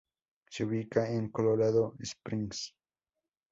Se ubica en Colorado Springs.